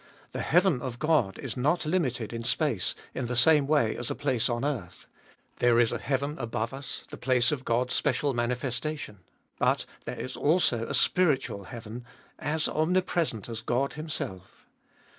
The heaven of God is not limited in space in the same way as a place on earth. There is a heaven above us, the place of God's special manifestation. But there is also a spiritual heaven, as omnipresent as God Himself.